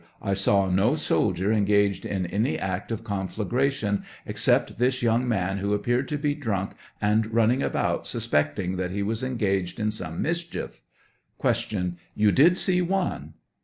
I saw no soldier engaged in any act of conflagra tion except this young man who appeared to be drunk and running about , suspecting that he was engaged in some mischief— 7 Q. You did see one